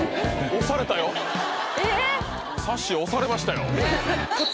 さっしー推されましたよ